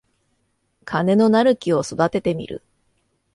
金のなる木を育ててみる